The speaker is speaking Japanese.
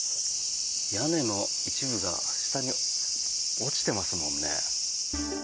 屋根の一部が下に落ちてますもんね。